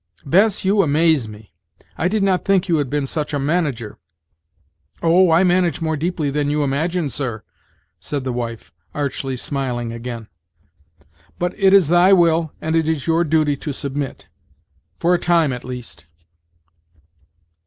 "Bess! you amaze me! I did not think you had been such a manager!" "Oh! I manage more deeply than you imagine, sir," said the wife, archly smiling again; "but it is thy will and it is your duty to submit for a time at least."